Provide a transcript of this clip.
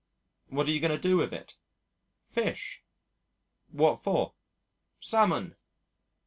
"What are you going to do with it?" "Fish." "What for?" "Salmon."